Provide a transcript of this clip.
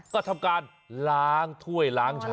ก็ทำการล้างถ้วยล้างชา